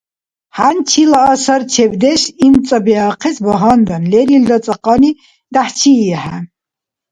Хӏянчила асарчебдеш имцӏабиахъес багьандан, лерилра цӏакьани дяхӏчиихӏе